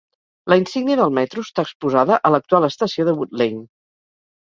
La insígnia del metro està exposada a l'actual estació de Wood Lane.